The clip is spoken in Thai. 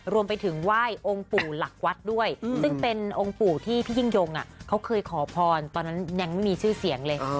รวมไปถึงไหว้องค์ปู่หลักวัดด้วยซึ่งเป็นองค์ปู่ที่พี่ยิ่งยงเขาเคยขอพรตอนนั้นยังไม่มีชื่อเสียงเลย